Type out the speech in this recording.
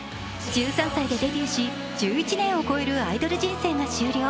１３歳でデビューし、１１年を超えるアイドル人生が終了。